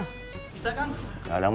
mak mau dong